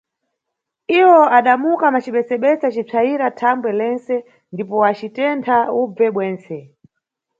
Iwo adamuka macibesebese acipsayira thambwe lentse ndipo acitentha ubve bwentse.